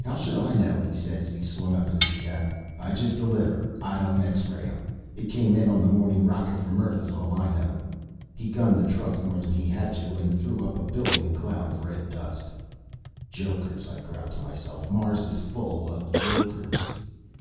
"How should I know?" he said as he swung up into the cab. "I just deliver, I don't X ray 'em. It came on the morning rocket from earth is all I know." He gunned the truck more than he had to and threw up a billowing cloud of red dust. "Jokers," I growled to myself. "Mars is full of jokers."